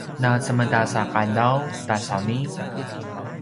na cemedas a qadaw ta sauni?